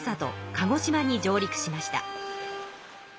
鹿児島に上陸しました。